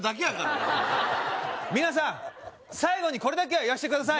お前皆さん最後にこれだけは言わせてください